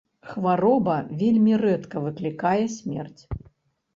Хвароба вельмі рэдка выклікае смерць.